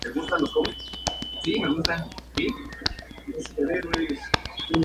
Las flores no presentan hipanto.